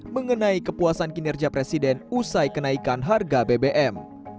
mengenai kepuasan kinerja presiden usai kenaikan harga bbm